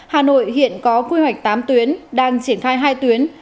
hà nội hiện có quy hoạch tám tuyến đang triển khai hai tuyến